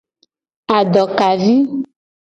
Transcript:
Adokavi.